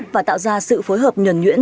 và tạo ra sự phối hợp nhuẩn nhuyễn